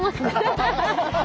ハハハハ。